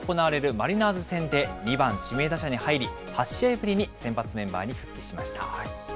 マリナーズ戦で、２番指名打者に入り、８試合ぶりに先発メンバーに復帰しました。